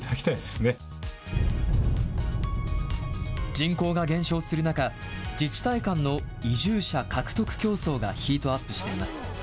人口が減少する中、自治体間の移住者獲得競争がヒートアップしています。